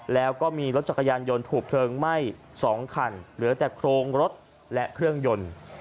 แล้วก็มีรถจักรยานยนต์ถูกเพลิงไหม้๒คันเหลือแต่โครงรถและเครื่องยนต์